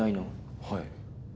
はい。